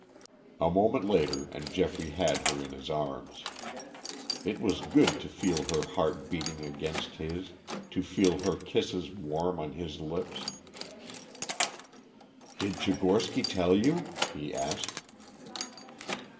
A moment later and Geoffrey had her in his arms. It was good to feel her heart beating against his, to feel her kisses warm on his lips. "Did Tchigorsky tell you?" he asked.